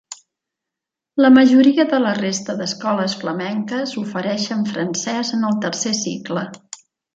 La majoria de la resta d'escoles flamenques ofereixen francès en el tercer cicle.